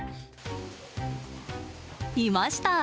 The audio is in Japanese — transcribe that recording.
いました！